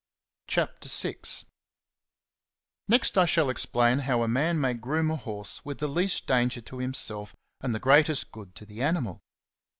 CHAPTER VL NEXT I shall explain how a man may groom a horse with the least danger to himself and the greatest good to the animal.